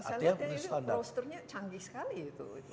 masalahnya tadi roasternya canggih sekali itu